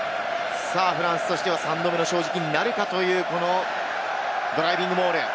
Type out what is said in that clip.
フランスとしては３度目の正直になるかというドライビングモール。